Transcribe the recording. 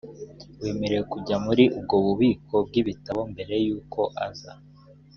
wemerewe kujya muri ubwo bubiko bw ibitabo mbere y uko aza